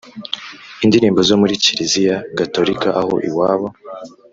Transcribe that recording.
indirimbo zo muri kiliziya gatolika aho iwabo